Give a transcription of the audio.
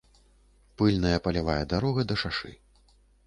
Пыльная палявая дарога да шашы.